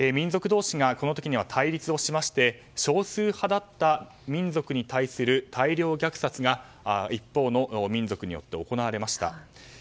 民族同士がこの時に対立して少数派だった民族に対する大量虐殺が一方の民族によって行われました。